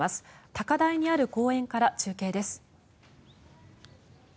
高台にある公園から中継です。